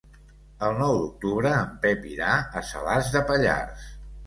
El nou d'octubre en Pep irà a Salàs de Pallars.